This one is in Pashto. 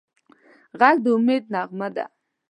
غږ د امید نغمه ده